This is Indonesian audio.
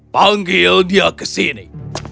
panggil dia ke sini